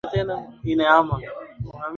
Mungu ilinde Kenya